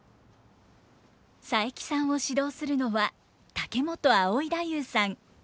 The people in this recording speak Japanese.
佐伯さんを指導するのは竹本葵太夫さん。